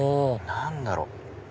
何だろう？